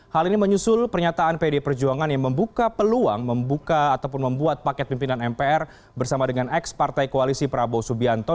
hal ini menyusul pernyataan pd perjuangan yang membuka peluang membuka ataupun membuat paket pimpinan mpr bersama dengan ex partai koalisi prabowo subianto